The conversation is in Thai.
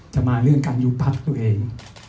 จะมาเรื่องการยุบพักตัวเอง